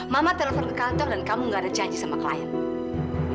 mama telepon ke kantor dan kamu gak ada janji sama klien